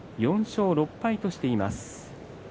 ４勝６敗としています。